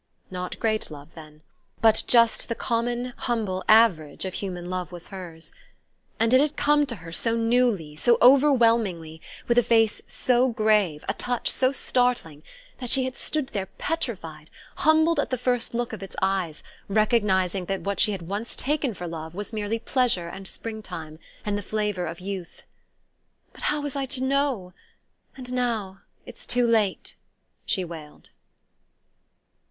Not great love, then... but just the common humble average of human love was hers. And it had come to her so newly, so overwhelmingly, with a face so grave, a touch so startling, that she had stood there petrified, humbled at the first look of its eyes, recognizing that what she had once taken for love was merely pleasure and spring time, and the flavour of youth. "But how was I to know? And now it's too late!" she wailed.